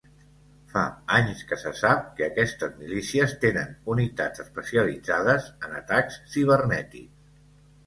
Fa anys que se sap que aquestes milícies tenen unitats especialitzades en atacs cibernètics.